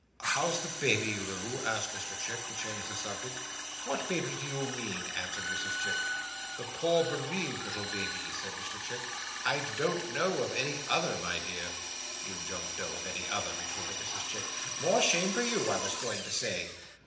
"How's the Baby, Loo?" asked Mr Chick: to change the subject. "What Baby do you mean?" answered Mrs Chick. "The poor bereaved little baby," said Mr Chick. "I don't know of any other, my dear." "You don't know of any other," retorted Mrs Chick. "More shame for you, I was going to say."